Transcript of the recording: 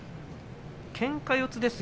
けんか四つです。